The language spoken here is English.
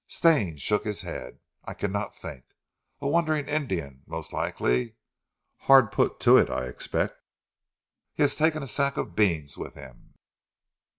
Stane shook his head. "I cannot think. A wandering Indian most likely.... Hard put to it, I expect. He has taken a sack of beans with him."